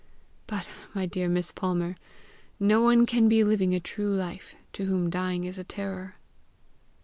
But, my dear Miss Palmer, no one can be living a true life, to whom dying is a terror."